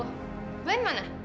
oh ben mana